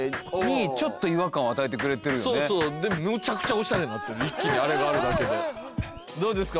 そうそうでむちゃくちゃオシャレになってる一気にあれがあるだけでうんうんうんうんどうですか？